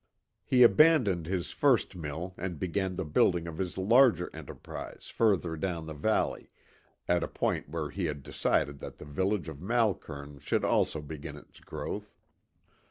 He abandoned his first mill and began the building of his larger enterprise further down the valley, at a point where he had decided that the village of Malkern should also begin its growth.